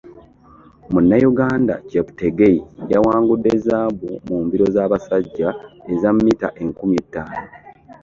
Munnayuganda Cheptegei yawangudde zzaabu mu mbiro z'abasajja eza mmita enkumi ttaano.